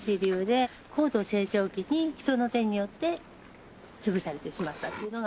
高度成長期に人の手によって潰されてしまったっていうのが。